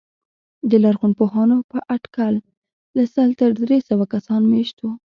د لرغونپوهانو په اټکل له سل تر درې سوه کسان مېشت وو.